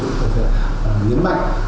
cũng cần phải nhấn mạnh